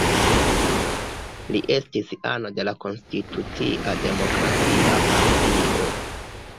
Li estis ano de la Konstitucia Demokratia Partio.